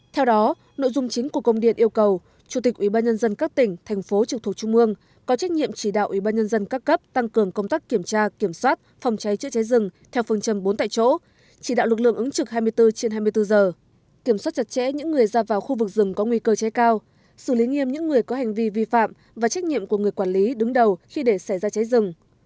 theo đó nội dung chính của công điện yêu cầu chủ tịch ubnd các tỉnh thành phố trực thuộc trung mương có trách nhiệm chỉ đạo ubnd các cấp tăng cường công tác kiểm tra kiểm soát phòng cháy chữa cháy rừng theo phần châm bốn tại chỗ chỉ đạo lực lượng ứng trực hai mươi bốn trên hai mươi bốn giờ kiểm soát chặt chẽ những người ra vào khu vực rừng có nguy cơ cháy cao xử lý nghiêm những người có hành vi vi phạm và trách nhiệm của người quản lý đứng đầu khi để xảy ra cháy rừng